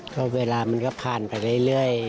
ก็เวลามันก็ผ่านไปเรื่อย